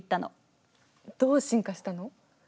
どう進化したの？